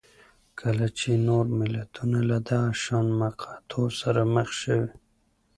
کله چې نور ملتونه له دغه شان مقطعو سره مخ شوي